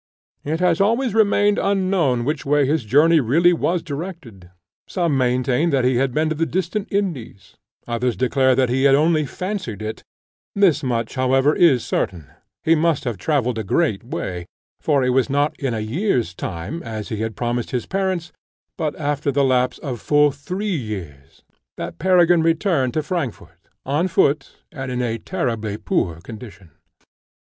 It has always remained unknown which way his journey really was directed; some maintain that he had been to the distant Indies; others declare that he had only fancied it; thus much, however, is certain, he must have travelled a great way, for it was not in a year's time, as he had promised his parents, but after the lapse of full three years, that Peregrine returned to Frankfort on foot, and in a tolerably poor condition.